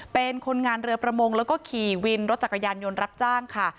เป็นคนงานเรือประมงแล้วก็ขี่วินรถจักรยานยนต์รับจ้างค่ะ